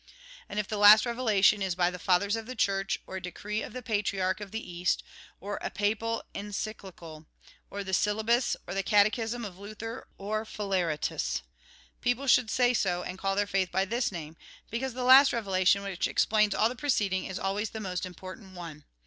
And if the last revelation is by the fathers of the Church, or a decree of the Patriarch of the East, or a papal encyclical, or the syllabus or the catechism of Luther or Philaretus, people should say so, and call their faith by this name ; because the last revelation, which explains all the preceding, is always the most important one.